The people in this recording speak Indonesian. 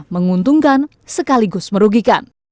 menguntungkan sekaligus merugikan